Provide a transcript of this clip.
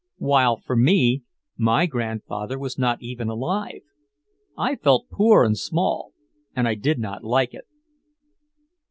While, as for me, my grandfather was not even alive. I felt poor and small, and I did not like it.